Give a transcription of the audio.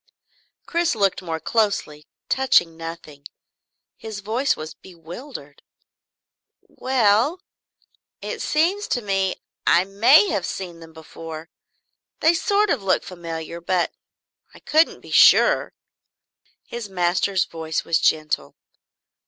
Chris looked more closely, touching nothing. His voice was bewildered. "Well it seems to me I may have seen them before they sort of look familiar, but I couldn't be sure." His master's voice was gentle.